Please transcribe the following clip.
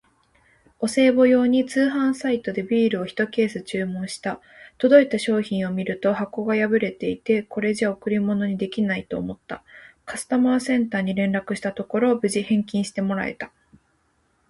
お歳暮用に通販サイトでビールをひとケース注文した。届いた商品を見ると箱が破れていて、これじゃ贈り物にできないと思った。カスタマーセンターに連絡したところ、無事返金してもらえた！